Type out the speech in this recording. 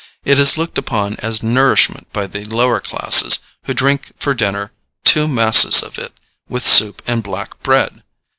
It is looked upon as nourishment by the lower classes, who drink for dinner two _masses_[E] of it, with soup and black bread.